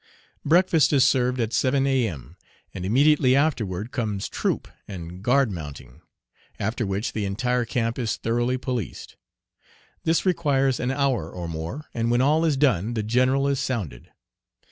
Breakfast is served at 7 A.M., and immediately afterward comes "troop" and guard mounting, after which the entire camp is thoroughly policed. This requires an hour or more, and when all is done the "general" is sounded.